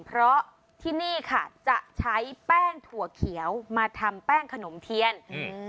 เพราะที่นี่ค่ะจะใช้แป้งถั่วเขียวมาทำแป้งขนมเทียนอืม